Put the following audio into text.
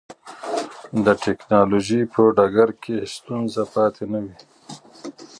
د ټکنالوجۍ په ډګر کې ستونزه پاتې نه وي.